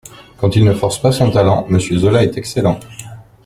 Quand il ne force pas son talent, Monsieur Zola est excellent.